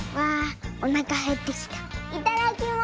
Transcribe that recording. いただきます！